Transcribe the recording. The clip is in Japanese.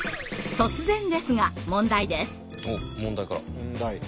突然ですが問題です。